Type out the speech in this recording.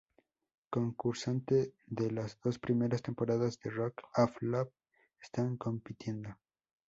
Concursante de las dos primeras temporadas de Rock of Love están compitiendo.